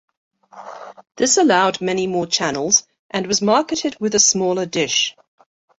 This allowed many more channels and was marketed with a smaller dish.